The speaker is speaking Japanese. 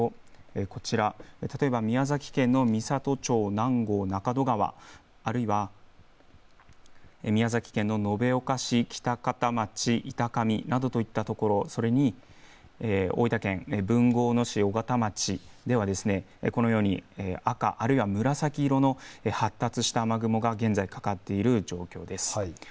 こちら宮崎県の美郷町南郷中渡川はあるいは宮崎県の延岡市北方町板上といったところ、大分県豊後大野市緒方町では赤、あるいは紫の発達した雨雲がかかっている状態です。